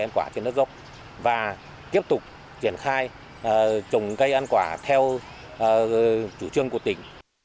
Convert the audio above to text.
ăn quả trên nước dốc và tiếp tục triển khai trồng cây ăn quả theo chủ trương của tỉnh